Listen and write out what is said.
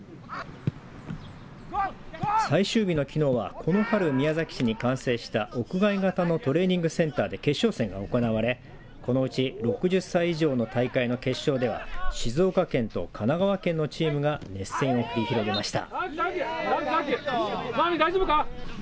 最終日のきのうはこの春、宮崎市に完成した屋外型のトレーニングセンターで決勝戦が行われこのうち６０歳以上の大会の決勝では静岡県と神奈川県のチームが熱戦を繰り広げました。